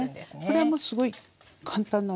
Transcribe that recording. これはもうすごい簡単なんです。